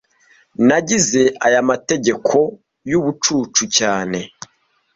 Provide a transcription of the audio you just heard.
Nagize aya mategeko yubucucu cyane